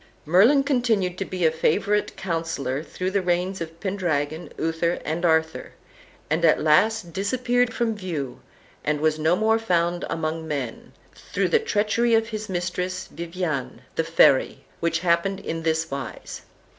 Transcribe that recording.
Merlin continued to be a favorite counsellor through the reigns of Pendragon, Uther, and Arthur, and at last disappeared from view, and was no more found among men, through the treachery of his mistress, Viviane, the Fairy, which happened in this wise.